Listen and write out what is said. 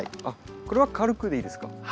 あっこれは軽くでいいですか？